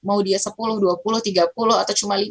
mau dia sepuluh dua puluh tiga puluh atau cuma lima